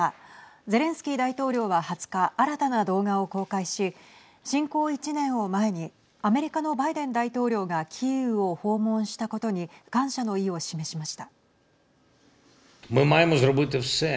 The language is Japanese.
ゼレンスキー大統領は２０日新たな動画を公開し侵攻１年を前にアメリカのバイデン大統領がキーウを訪問したことに感謝の意を示しました。